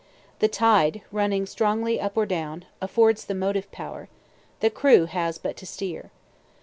The tide, running strongly up or down, affords the motive power; "the crew" has but to steer.